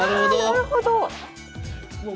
なるほど。